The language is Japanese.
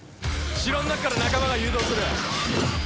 城の中から仲間が誘導する。